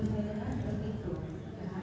selama sepuluh jam